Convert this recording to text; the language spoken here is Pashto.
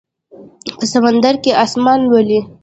په سمندر کې اسمان لولي